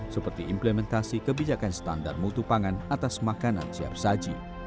seperti implementasi kebijakan standar mutu pangan atas makanan siap saji